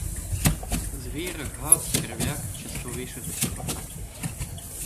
Звір, гад, черв'як щасливіший за кріпака.